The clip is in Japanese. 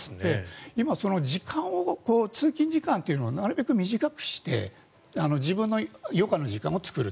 今、通勤時間をなるべく短くして自分の余暇の時間を作る。